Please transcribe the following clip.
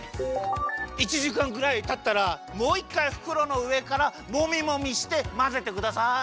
１じかんくらいたったらもういっかいふくろのうえからもみもみしてまぜてください。